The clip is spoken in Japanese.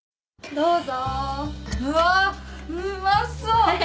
どうぞ。